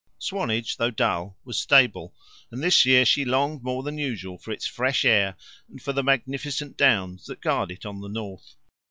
Swanage, though dull, was stable, and this year she longed more than usual for its fresh air and for the magnificent downs that guard it on the north.